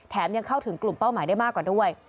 ยังเข้าถึงกลุ่มเป้าหมายได้มากกว่าด้วย